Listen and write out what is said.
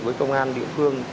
với công an địa phương